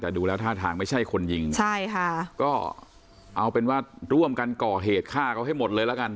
แต่ดูแล้วท่าทางไม่ใช่คนยิงใช่ค่ะก็เอาเป็นว่าร่วมกันก่อเหตุฆ่าเขาให้หมดเลยละกัน